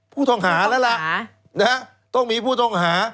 ผู้ต้องหาแล้วล่ะต้องมีผู้ต้องหา